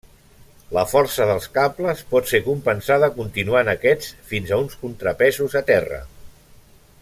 La força dels cables pot ser compensada continuant aquests fins a uns contrapesos a terra.